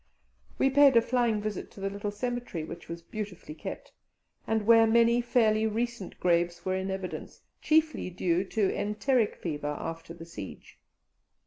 We paid a flying visit to the little cemetery, which was beautifully kept, and where many fairly recent graves were in evidence, chiefly due to enteric fever after the siege.